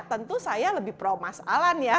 tentu saya lebih pro mas alan ya